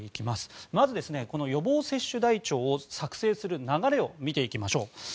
まずこの予防接種台帳を作成する流れを見ていきましょう。